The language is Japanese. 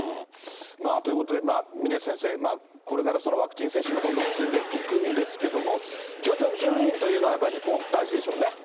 ということで、峰先生、これからワクチン接種もどんどん進んでいくんですけれども、徐々に徐々にというのは、日本は大事でしょうね。